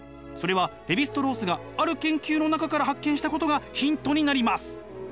それはレヴィ＝ストロースがある研究の中から発見したことがヒントになります。